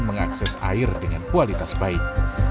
mengakses air dengan kualitas baik